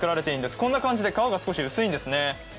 こんな感じで皮が少し薄いんですよね。